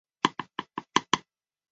嘉靖四年担任广东惠州府知府。